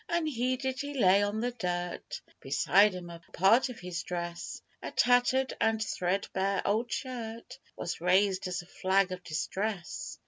Unheeded he lay on the dirt; Beside him a part of his dress, A tattered and threadbare old shirt Was raised as a flag of distress.